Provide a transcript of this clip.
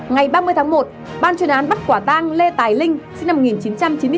ngày ba mươi tháng một ban chuyên án bắt quả tang lê tài linh sinh năm một nghìn chín trăm chín mươi chín